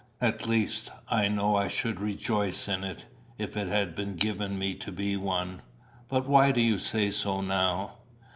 "At least I know I should rejoice in it, if it had been given me to be one. But why do you say so now?"